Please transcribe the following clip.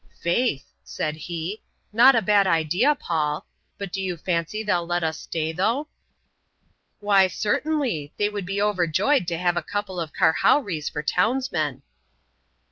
" Faith !" said he, " not a bad idea, Paul. But do you fancy they'll let us stay, though? "" Why, certainly : they would be overjoyed to have a couple of karhowrees for townsmen."